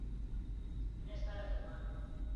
من ئێستا لە فەرمانم.